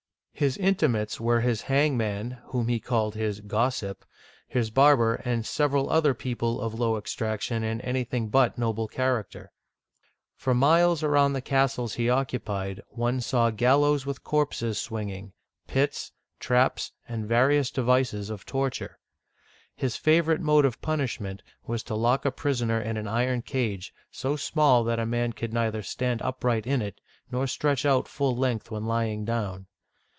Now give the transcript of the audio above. His intimates were his hangman, whom he called his gossip," his barber, and several other people of low ex traction and anything but noble character. For miles Digitized by VjOOQIC 212 OLD FRANCE around the castles he occupied, one saw gallows with corpses swinging, pits, traps, and various devices for tor ture. Hisf avorite mode of punishment was to lock a pris oner in an iron cage, so small that a man could neither stand upright in it, nor stretch out full length when lying down.